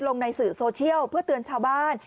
ลงในสื่อโซเชียลเพื่อเตือนชาวบ้าน